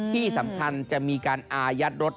ที่สำคัญจะมีการอายัดรถ